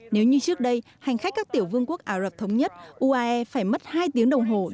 nếu như trước đây hành khách các tiểu vương quốc ả rập thống nhất uae phải mất hai tiếng đồng hồ